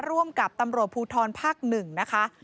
ร่วมกับตำรวจภูทรภาค๑นะคะ